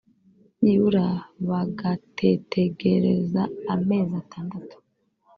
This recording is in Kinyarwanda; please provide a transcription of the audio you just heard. nibura bagatetegereza amezi atandatu